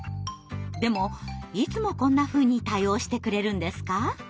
でもいつもこんなふうに対応してくれるんですか？